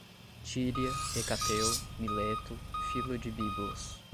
tíria, Hecateu, Mileto, Filo de Biblos